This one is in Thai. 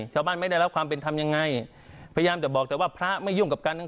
ไม่ได้รับความเป็นธรรมยังไงพยายามจะบอกแต่ว่าพระไม่ยุ่งกับกัน